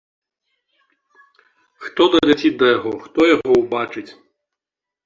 Хто даляціць да яго, хто яго ўбачыць?